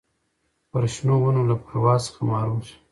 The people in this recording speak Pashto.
پر شنو ونو له پرواز څخه محروم سو